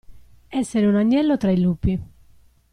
Essere un agnello tra i lupi.